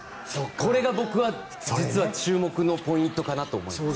これが僕は実は注目のポイントかなと思います。